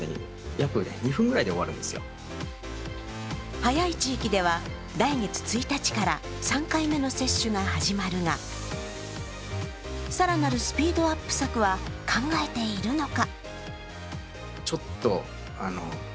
早い地域では来月１日から３回目の接種が始まるが更なるスピードアップ策は考えているのか。